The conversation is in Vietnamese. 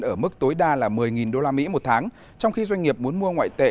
ở mức tối đa là một mươi usd một tháng trong khi doanh nghiệp muốn mua ngoại tệ